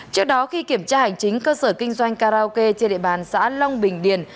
trước đó khi kiểm tra hành chính cơ sở kinh doanh karaoke trên địa bàn xã long bình điền